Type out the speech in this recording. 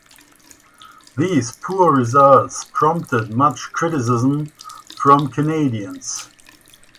These poor results prompted much criticism from Canadians.